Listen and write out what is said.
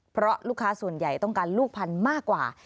เพราะลูกค้าส่วนใหญ่ต้องการลูกพันธุ์มากกว่า